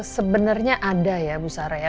sebenarnya ada ya musara